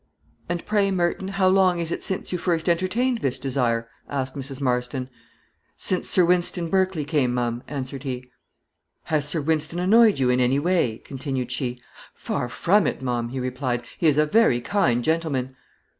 "And pray, Merton, how long is it since you first entertained this desire?" asked Mrs. Marston. "Since Sir Wynston Berkley came, ma'am," answered he. "Has Sir Wynston annoyed you in any way?" continued she. "Far from it, ma'am," he replied; "he is a very kind gentleman."